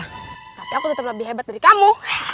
tapi aku tetap lebih hebat dari kamu